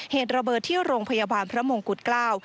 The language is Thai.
เหตุระเบิดที่โรงพยาบาลพระมงกุฎเกล้า